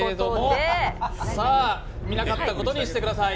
放て見なかったことにしてください。